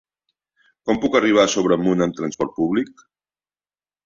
Com puc arribar a Sobremunt amb trasport públic?